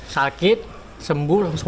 sakit sembuh langsung